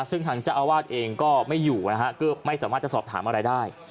ซึ่งทางเจ้าอาวาสเองก็ไม่อยู่นะฮะก็ไม่สามารถจะสอบถามอะไรได้